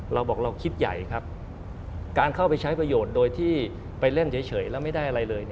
เราบอกเราคิดใหญ่ครับการเข้าไปใช้ประโยชน์โดยที่ไปเล่นเฉยแล้วไม่ได้อะไรเลย